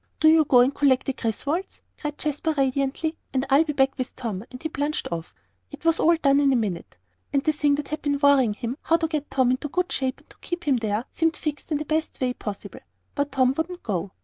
"Do you go and collect the Griswolds," cried Jasper, radiantly, "and I'll be back with Tom," and he plunged off. It was all done in a minute. And the thing that had been worrying him how to get Tom into good shape, and to keep him there seemed fixed in the best way possible. But Tom wouldn't go.